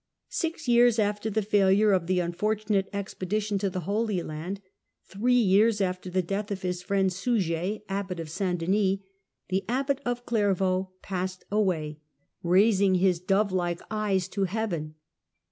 Six years after the failure of the unfortunate expedition to the Holy Land, three years after the death of his friend Suger, Abbot of St Denis, the Abbot of Clairvaux passed away, raising his " dove like eyes " to heaven.